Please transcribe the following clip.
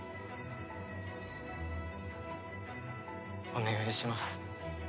お願いします。